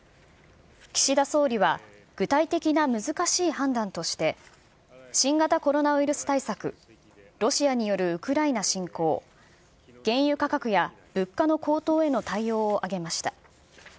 岸田総理は具体的な難しい判断として、新型コロナウイルス対策、ロシアによるウクライナ侵攻、原油価格や物価の高騰への対応を挙げました。